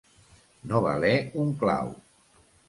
No valer un clau.